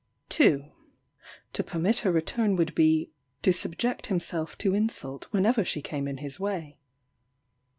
2. To permit her return would be "to subject himself to insult whenever she came in his way."